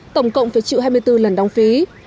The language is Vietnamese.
tổng cộng phải chịu hai mươi bốn lần đóng phí